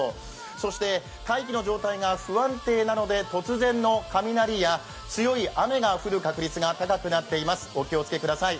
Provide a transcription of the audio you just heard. そして大気の状態が不安定なので突然の雷や強い雨が降る確率が高くなっているのでお気をつけください。